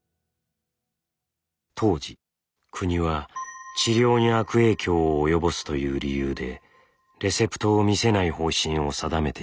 当時国は治療に悪影響を及ぼすという理由でレセプトを見せない方針を定めていました。